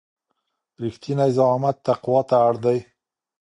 رښتينی زعامت تقوی ته اړ دی.